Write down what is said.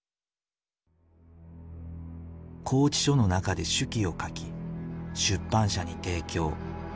拘置所の中で手記を書き出版社に提供。